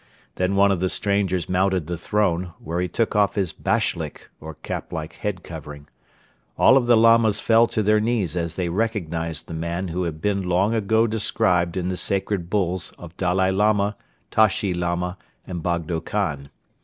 Then one of the strangers mounted the throne, where he took off his bashlyk or cap like head covering. All of the Lamas fell to their knees as they recognized the man who had been long ago described in the sacred bulls of Dalai Lama, Tashi Lama and Bogdo Khan.